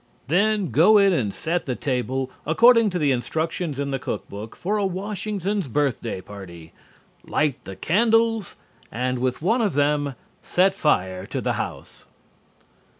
Then go in and set the table according to the instructions in the cook book for a Washington's Birthday party, light the candles, and with one of them set fire to the house.